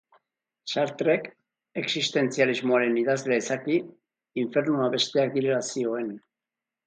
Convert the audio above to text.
Sartrek, existentzialismoaren idazlea izaki, infernua besteak direla zioen.